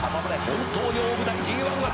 本当に大舞台ＧⅠは強いぞ」